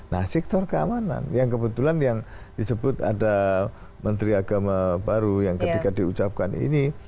nah sektor keamanan yang kebetulan yang disebut ada menteri agama baru yang ketika diucapkan ini